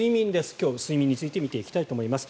今日は睡眠について見ていきたいと思います。